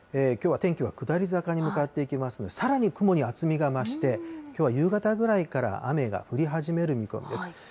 きょうは天気は下り坂に向かっていきますが、さらに雲に厚みが増して、きょうは夕方ぐらいから雨が降り始める見込みです。